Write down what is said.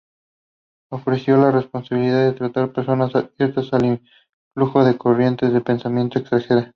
Ofreciendo la posibilidad de tratar personas abiertas al influjo de corrientes de pensamiento extranjeras.